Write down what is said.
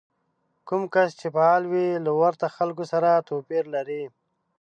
کوم کس چې فعال وي له ورته خلکو سره توپير لري.